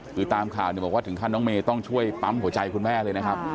คือตามข่าวบอกว่าถึงขั้นน้องเมย์ต้องช่วยปั๊มหัวใจคุณแม่เลยนะครับ